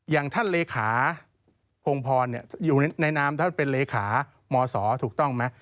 อย่างท่านเลขาพงพรอยู่ในนามท่านเป็นเลขามศถูกต้องไหม